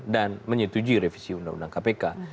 dan menyetujui revisi undang undang kpk